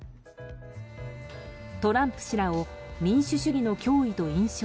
トランプ氏らを民主主義の脅威と印象